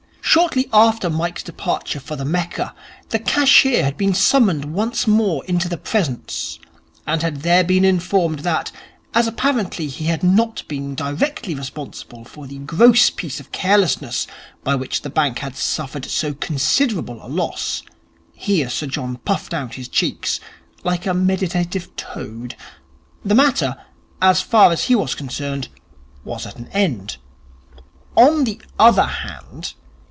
Shortly after Mike's departure for the Mecca, the cashier had been summoned once more into the Presence, and had there been informed that, as apparently he had not been directly responsible for the gross piece of carelessness by which the bank had suffered so considerable a loss (here Sir John puffed out his cheeks like a meditative toad), the matter, as far as he was concerned, was at an end. On the other hand